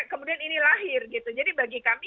kemudian ini lahir gitu jadi bagi kami